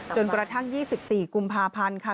จนกระทั่ง๒๔กุมภาพันธ์ค่ะ